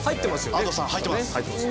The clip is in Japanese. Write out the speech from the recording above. Ａｄｏさん入ってます。